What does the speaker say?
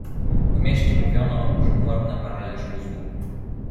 "„W mieście mówiono, że umarł na paraliż mózgu."